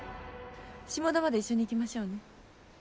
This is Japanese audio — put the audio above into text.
下田まで一緒に行きましょうね。